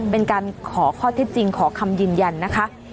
เป็นการขอข้อเท็จจริงขอคำยืนยันนะคะ